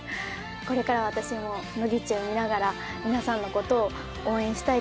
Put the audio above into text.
これから私も乃木坂工事中見ながら皆さんのことを応援したいと思います。